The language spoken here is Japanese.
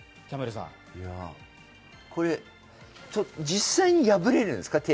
実際に破れるんですか？